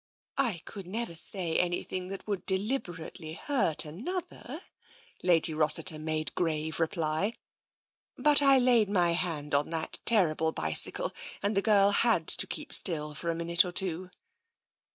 " I could never say anything that would deliberately hurt another," Lady Rossiter made grave reply. " But I laid my hand on that terrible bicycle, and the girl had to keep still for a minute or two."